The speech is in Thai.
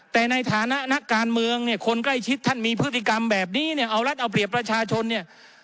แต่ในฐานะนักการเมืองเนี่ยคนใกล้ชิดท่านมีพฤติกรรมแบบนี้เนี่ยเอารัฐเอาเปรียบประชาชนเนี่ย